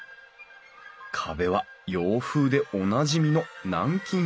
壁は洋風でおなじみの南京下